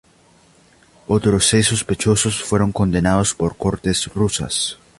Otros seis sospechosos fueron condenados por cortes rusas.